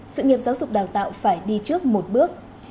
sự nghiệp giáo dục đào tạo phải đi trước một bước